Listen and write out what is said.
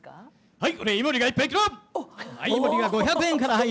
・はい。